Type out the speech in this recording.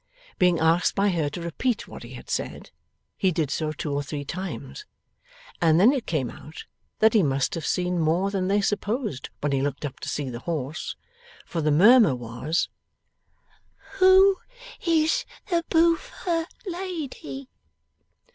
Being asked by her to repeat what he had said, he did so two or three times, and then it came out that he must have seen more than they supposed when he looked up to see the horse, for the murmur was, 'Who is the boofer lady?